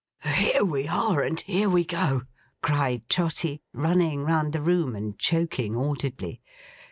'Here we are and here we go!' cried Trotty, running round the room, and choking audibly.